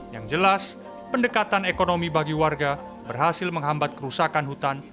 yang jelas pendekatan ekonomi bagi warga berhasil menghambat kerusakan hutan